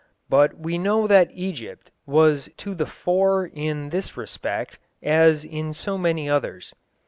But we know that Egypt was to the fore in this respect as in so many others.